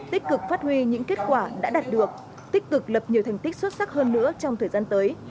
tích cực phát huy những kết quả đã đạt được tích cực lập nhiều thành tích xuất sắc hơn nữa trong thời gian tới